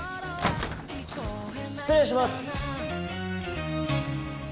失礼します！